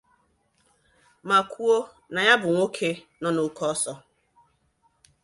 ma kwuo na ya bụ nwoke nọ n'oke ọsọ